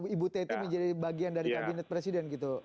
ibu teti menjadi bagian dari kabinet presiden gitu